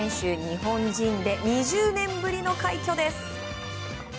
日本人で２０年ぶりの快挙です。